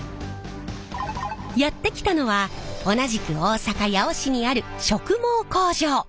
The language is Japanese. やって来たのは同じく大阪・八尾市にある植毛工場。